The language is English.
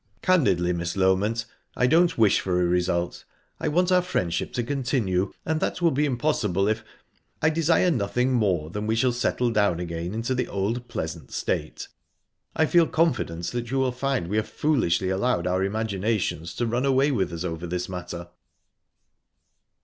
"Candidly, Miss Loment, I don't wish for a result. I want our friendship to continue, and that will be impossible if...I desire nothing more than that we shall settle down again into the old pleasant state. I feel confident that you will find we have foolishly allowed our imaginations to run away with us over this matter."